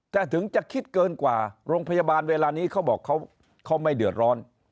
แต่ถึงจะคิดเกินกว่าโรงพยาบาลเวลานี้เขาบอกเขาไม่เดือดร้อน